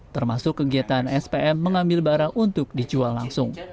termasuk kegiatan spm mengambil barang untuk dijual langsung